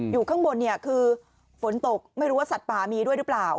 อยู่ข้างบนเนี่ยคือฝนตกไม่รู้ว่าสัตว์ป่ามีด้วยหรือเปล่า